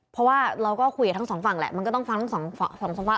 เพราะว่าเราก็คุยกับทั้งสองฝั่งแหละมันก็ต้องฟังทั้งสองสภาพ